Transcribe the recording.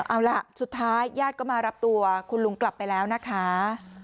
เอาล่ะสุดท้ายญาติก็มารับตัวคุณลุงกลับไปแล้วนะคะ